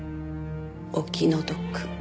お気の毒。